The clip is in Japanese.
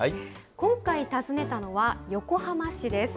今回訪ねたのは横浜市です。